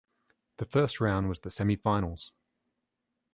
The first round was the semifinals.